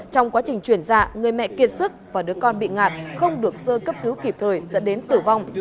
trong quá trình chuyển dạ người mẹ kiệt sức và đứa con bị ngạt không được sơ cấp cứu kịp thời dẫn đến tử vong